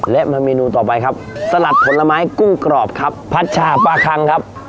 และมาเมนูต่อไปครับสลัดผลไม้กุ้งกรอบครับพัชชาปลาคังครับ